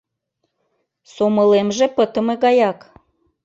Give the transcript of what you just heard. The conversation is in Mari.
— Сомылемже пытыме гаяк.